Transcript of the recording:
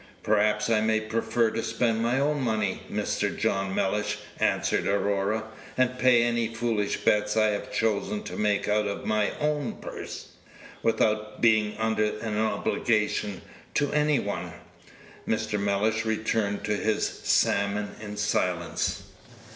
"Perhaps I may prefer to spend my own money, Mr. John Mellish," answered Aurora, "and pay any foolish bets I have chosen to make out of my own purse, without being under an obligation to any one." Mr. Mellish returned to his salmon in silence.